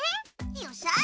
よっしゃ！